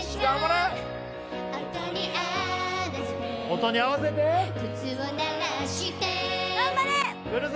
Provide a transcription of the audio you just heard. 音に合わせて頑張れっくるぞ！